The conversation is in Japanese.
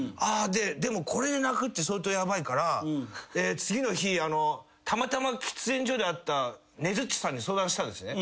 でもこれで泣くって相当ヤバいから次の日たまたま喫煙所で会ったねづっちさんに相談したんですね。